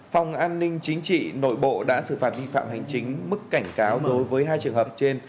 phòng an ninh chính trị nội bộ đã xử phạt vi phạm hành chính mức cảnh cáo đối với hai trường hợp trên